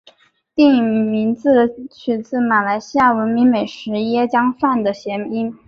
电影名字取自马来西亚闻名美食椰浆饭的谐音。